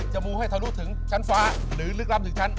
มูให้ทะลุถึงชั้นฟ้าหรือลึกล้ำถึงชั้น